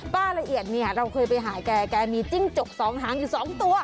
ละเอียดเนี่ยเราเคยไปหาแกแกมีจิ้งจกสองหางอยู่สองตัว